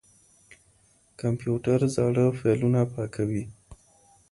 کمپيوټر زاړه فايلونه پاکوي.